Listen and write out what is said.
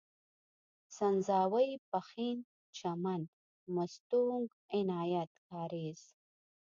سنځاوۍ، پښين، چمن، مستونگ، عنايت کارېز